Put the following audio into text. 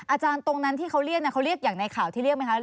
อาจารย์ตรงนั้นที่เขาเรียกอย่างในข่าวที่เรียกไหมครับ